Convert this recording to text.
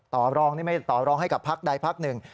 ต่อรองนี่ไม่ต่อรองให้กับพักใดพักหนึ่ง